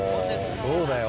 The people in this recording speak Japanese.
そうだよ